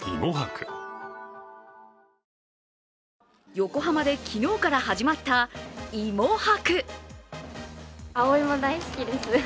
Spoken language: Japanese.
横浜で昨日から始まった芋博。